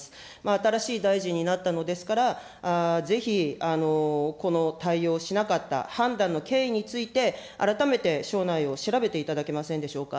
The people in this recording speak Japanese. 新しい大臣になったのですから、ぜひこの対応をしなかった判断の経緯について、改めて省内を調べていただけませんでしょうか。